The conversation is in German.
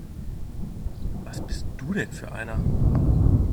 Was bist du denn für einer?